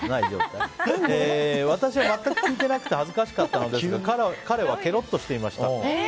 私は全く聞いてなくて恥ずかしかったのですが彼は、ケロッとしていました。